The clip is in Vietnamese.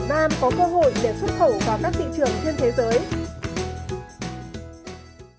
để xuất khẩu vào các thị trường trên thế giới